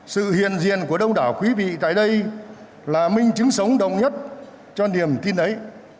sự hiền diện của đông đảo quý vị tại đây là minh chứng sống đồng nhất cho niềm tin ấy